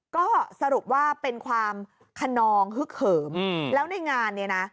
ก็สรุปว่าเป็นความขนองฮึกเหิมแล้วในงานเนี่ยนะ